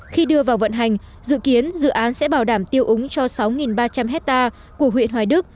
khi đưa vào vận hành dự kiến dự án sẽ bảo đảm tiêu úng cho sáu ba trăm linh hectare của huyện hoài đức